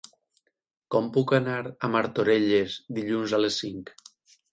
Com puc anar a Martorelles dilluns a les cinc?